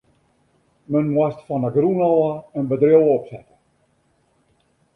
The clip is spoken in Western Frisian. Men moast fan de grûn ôf in bedriuw opsette.